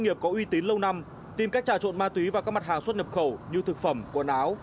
nghiệp có uy tín lâu năm tìm cách trà trộn ma túy và các mặt hàng xuất nhập khẩu như thực phẩm quần áo